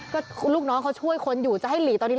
ก็ลูกน้องเขาช่วยคนอยู่จะให้หลีตอนนี้